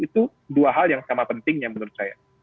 itu dua hal yang sama pentingnya menurut saya